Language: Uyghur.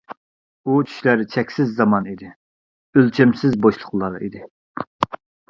ئۇ چۈشلەر چەكسىز زامان ئىدى، ئۆلچەمسىز بوشلۇقلار ئىدى.